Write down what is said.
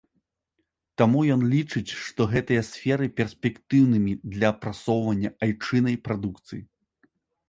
Таму ён лічыць, што гэтыя сферы перспектыўнымі для прасоўвання айчыннай прадукцыі.